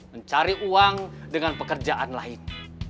mencari uang dengan pekerjaan lain